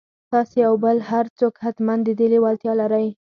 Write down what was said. تاسې او بل هر څوک حتماً د دې لېوالتيا لرئ.